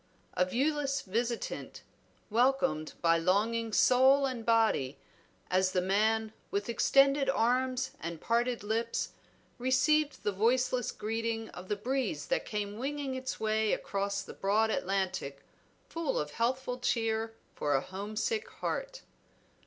A viewless visitant, welcomed by longing soul and body as the man, with extended arms and parted lips received the voiceless greeting of the breeze that came winging its way across the broad Atlantic, full of healthful cheer for a home sick heart.